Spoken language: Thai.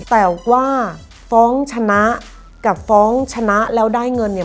แต่ว่าฟ้องชนะกับฟ้องชนะแล้วได้เงินเนี่ย